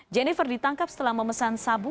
jennifer ditangkap setelah memesan sabu